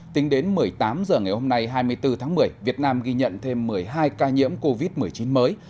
tính đến một mươi tám h ngày hôm nay hai mươi bốn tháng một mươi việt nam ghi nhận thêm một mươi hai ca nhiễm covid một mươi chín mới